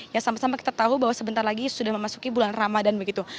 ya sama sama kita tahu bahwa sebentar lagi sudah memasuki bulan ramadan begitu